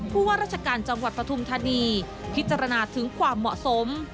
ผู้ว่าราชการจังหวัดปฐุมธานีพิจารณาถึงความเหมาะสม